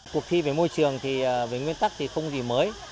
cuộc thi về môi trường thì về nguyên tắc thì không gì mới